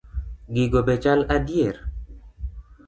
Gigo be chal adier?